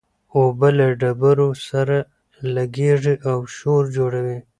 اوبه له ډبرو سره لګېږي او شور جوړوي.